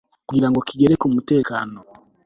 kugirango kigere ku mutekano